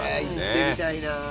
行ってみたいなあ。